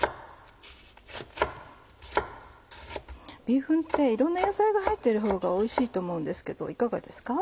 ビーフンっていろんな野菜が入ってるほうがおいしいと思うんですけどいかがですか？